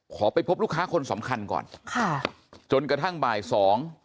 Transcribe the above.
ไปพบลูกค้าคนสำคัญก่อนค่ะจนกระทั่งบ่ายสอง